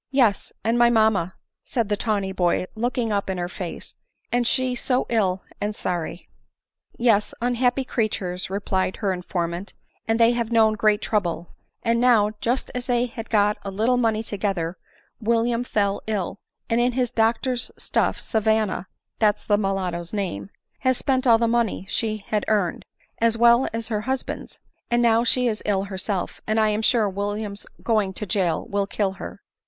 " Yes, and my mamma," said the tawny boy, looking up in her face, and she so ill and sorry." " Yes, unhappy creatures," replied her informant, "and they have known great trouble ; and now, just as they had got a little money together, William fell ill, and in doctor's stuff Savanna (that's the mulatto's name) has spent all the money she had earned, as well as her hus band's ; and now she is ill herself, and I am sure William's going to jail will kill her.